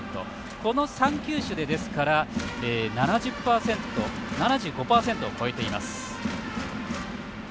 この３球種で７５％を超えています。